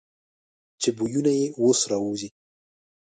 چې بویونه یې اوس را وځي.